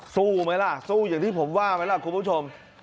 สู้ไหมล่ะสู้อย่างที่ผมว่าไหมล่ะคุณผู้ชม